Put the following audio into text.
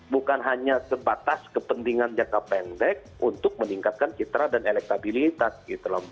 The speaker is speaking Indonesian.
bukan hanya sebatas kepentingan jangka pendek untuk meningkatkan citra dan elektabilitas gitu loh